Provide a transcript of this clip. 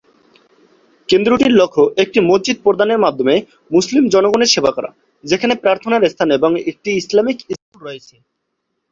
কেন্দ্রটির লক্ষ্য একটি মসজিদ প্রদানের মাধ্যমে মুসলিম জনগণের সেবা করা, যেখানে প্রার্থনার স্থান এবং একটি ইসলামিক স্কুল রয়েছে।